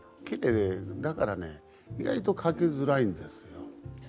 きれいだからね、意外と描きづらいんですよ。